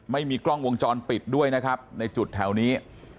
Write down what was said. ไม่มีกล้องวงจรปิดด้วยนะครับในจุดแถวนี้